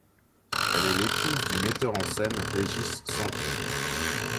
Elle est l'épouse du metteur en scène Régis Santon.